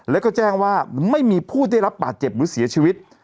แล้วก็แจ้งว่าไม่มีผู้ได้รับบาดเจ็บหรือเสียชีวิต